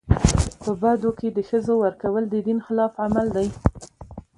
په بدو کي د ښځو ورکول د دین خلاف عمل دی.